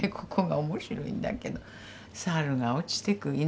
ここが面白いんだけど猿が落ちてく。